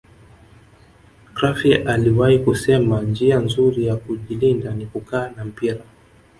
crufy aliwahi kusema njia nzuri ya kujilinda ni kukaa na mpira